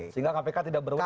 sehingga kpk tidak berwawasan